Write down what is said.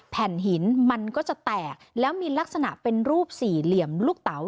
แผ่นหินมันก็จะแตกแล้วมีลักษณะเป็นรูปสี่เหลี่ยมลูกเต๋า